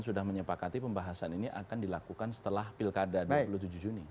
sudah menyepakati pembahasan ini akan dilakukan setelah pilkada dua puluh tujuh juni